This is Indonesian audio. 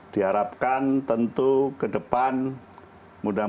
diharapkan tentu ke depan mudah mudahan